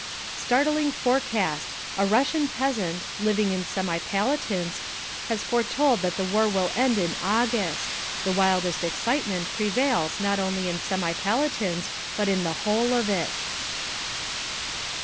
Startling Forecast. A Russian peasant, living in Semipalatinsk, has foretold that the war will end in August. The wildest excitement prevails not only in Semipalatinsk but in the whole of it.